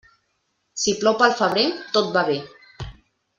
Si plou pel febrer, tot va bé.